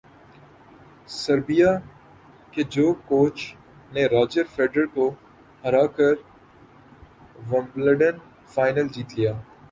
Serbia کے جوکووچ نے راجر فیڈرر کو ہرا کر ومبلڈن فائنل جیت لیا